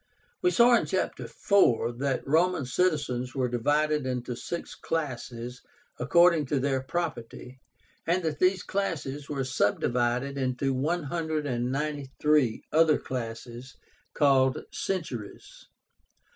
We saw in Chapter IV. that Roman citizens were divided into six classes according to their property, and that these classes were subdivided into one hundred and ninety three other classes called centuries.